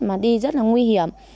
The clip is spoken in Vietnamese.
mà đi rất là nguy hiểm